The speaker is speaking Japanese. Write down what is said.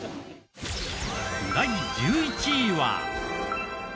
第１１位は。